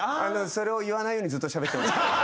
それを言わないようにずっとしゃべってました。